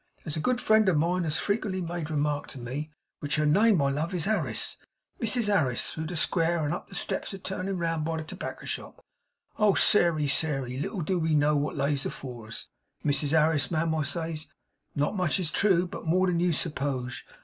As a good friend of mine has frequent made remark to me, which her name, my love, is Harris, Mrs Harris through the square and up the steps a turnin' round by the tobacker shop, "Oh Sairey, Sairey, little do we know wot lays afore us!" "Mrs Harris, ma'am," I says, "not much, it's true, but more than you suppoge.